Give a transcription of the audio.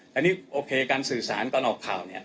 แต่นี่โอเคการสื่อสารตอนออกข่าวเนี่ย